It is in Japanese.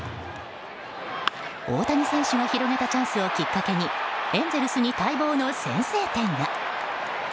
大谷選手が広げたチャンスをきっかけにエンゼルスに待望の先制点が。